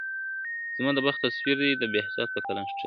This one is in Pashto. زما د بخت تصویر دی د بهزاد په قلم کښلی ..